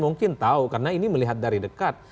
mungkin tahu karena ini melihat dari dekat